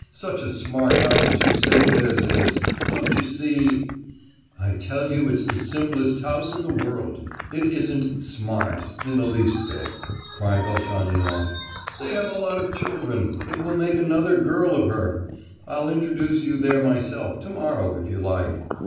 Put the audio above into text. —such a smart house as you say theirs is—don't you see——" "I tell you it's the simplest house in the world; it isn't 'smart' in the least bit," cried Velchaninoff; "they have a lot of children: it will make another girl of her!—I'll introduce you there myself, to morrow, if you like.